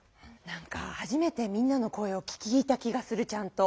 なんかはじめてみんなの声を聴いた気がするちゃんと。